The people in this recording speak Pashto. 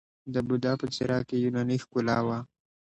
د بودا په څیره کې یوناني ښکلا وه